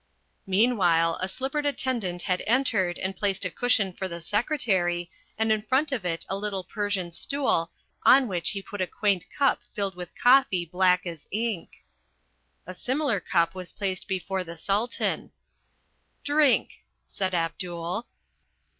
Meanwhile a slippered attendant had entered and placed a cushion for the secretary, and in front of it a little Persian stool on which he put a quaint cup filled with coffee black as ink. A similar cup was placed before the Sultan. "Drink!" said Abdul.